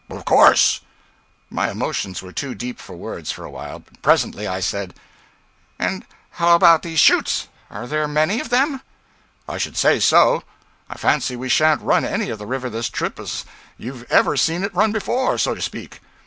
'Of course!' My emotions were too deep for words for a while. Presently I said ' And how about these chutes. Are there many of them?' 'I should say so. I fancy we shan't run any of the river this trip as you've ever seen it run before so to speak.